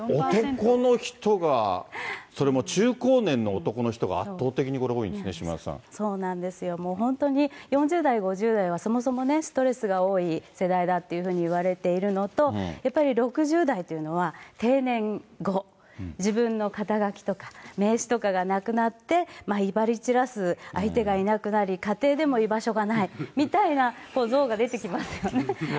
男の人が、それも中高年の男の人が圧倒的に多いんですね、こそうなんですよ、もう本当に４０代、５０代はそもそもストレスが多い世代だっていうふうにいわれているのと、やっぱり、６０代というのは、定年後、自分の肩書とか、名刺とかがなくなって、いばり散らす相手がいなくなり、家庭でも居場所がないみたいなぞうが出てきますよね。